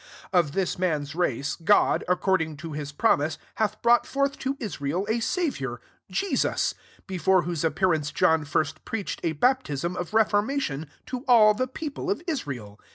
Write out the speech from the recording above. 2d <« Of this man's race, GU>d, according to Mis promise, hath brought forth to Israel a Sa viour, Jesus ; 34 b^re whoBe appearance John first preached a baptism of reformation, to all the people of Israel.